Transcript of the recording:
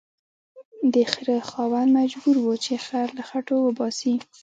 د خره خاوند مجبور و چې خر له خټو وباسي